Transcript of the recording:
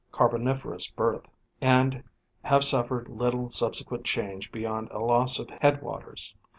Carboniferous birth, and have suffered little subsequent change beyond a loss of head waters.